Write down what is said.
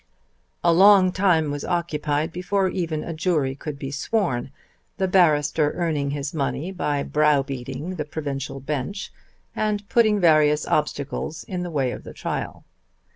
A long time was occupied before even a jury could be sworn, the barrister earning his money by brow beating the provincial bench and putting various obstacles in the way of the trial.